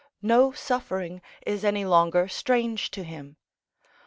No suffering is any longer strange to him.